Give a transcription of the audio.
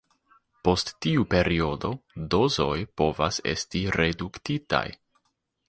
Post tiu periodo, dozoj povas esti reduktitaj.